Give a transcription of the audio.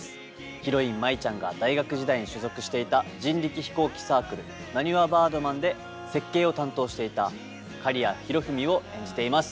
ヒロイン・舞ちゃんが大学時代に所属していた人力飛行機サークル「なにわバードマン」で設計を担当していた刈谷博文を演じています。